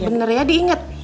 bener ya diingat